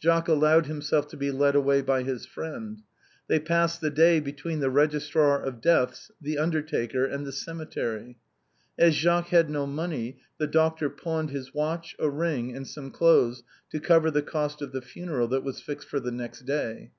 Jacques allowed himself to be led away by his friend. They passed the day between the registrar of deaths, the undertaker and the cemetery. As Jacques had no money, the doctor pawned his watch, a ring, and some clothes, to francine's muff. 235 cover the cost of the funeral, that was fixed for the next day.